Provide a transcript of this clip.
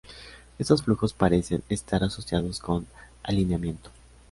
Estos flujos parecen estar asociados con alineamiento.